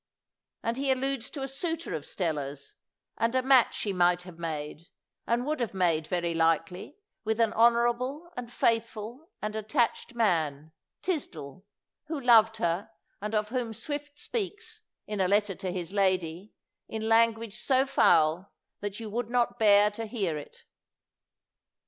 And he alludes to a suitor of Stella's, and a match she might have made, and would have made, very likelj', with an 206 THACKERAY honorable and faithful and attached man, Tis dall, who loved her, and of whom Swift speaks, in a letter to his lady, in language so foul that you would not bear to hear it.